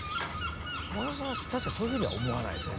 私は確かにそういうふうには思わないですね